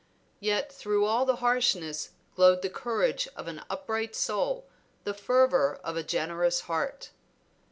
Yet through all the harshness glowed the courage of an upright soul, the fervor of a generous heart.